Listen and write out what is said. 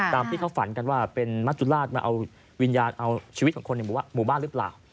ตามที่เขาฝันกันว่าเป็นมัจจุราชมาเอาวิญญาณเอาชีวิตของคนในหมู่บ้านหรือเปล่า